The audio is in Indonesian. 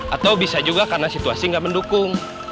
atau bisa juga karena situasi nggak mendukung